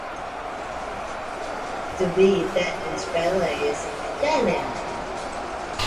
Tu biji te un spēlējies ar kaķēniem?